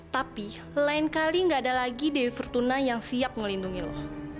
tapi lain kali gak ada lagi dewi vertuna yang siap melindungi lo